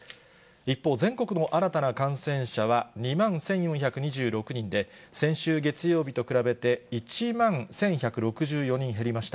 一方、全国の新たな感染者は２万１４２６人で、先週月曜日と比べて、１万１１６４人減りました。